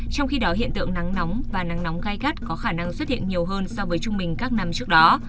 trong khi đó hiện tượng nắng nóng và nắng nóng gai gắt có khả năng xuất hiện nhiều hơn so với trung bình các năm trước đó